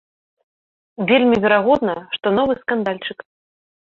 Вельмі верагодна, што новы скандальчык.